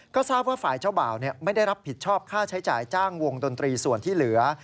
ก็ทราบว่าฝ่ายเจ้าบ่าวไม่ได้รับผิดชอบค่าใช้จ่ายจ้างวงดนตรีส่วนที่เหลือ